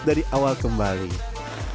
dari awal kemudian menetapkan lalat